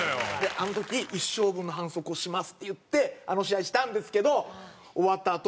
あの時一生分の反則をしますって言ってあの試合したんですけど終わったあと。